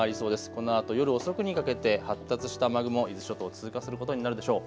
このあと夜遅くにかけて発達した雨雲、伊豆諸島を通過することになるでしょう。